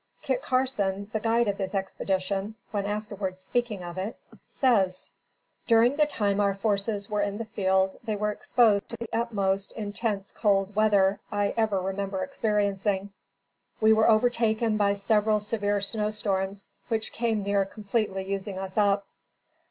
Kit Carson, the guide of this expedition, when afterwards speaking of it, says, "During the time our forces were in the field they were exposed to the most intense cold weather I ever remember experiencing. We were overtaken by several severe snow storms which came near completely using us up."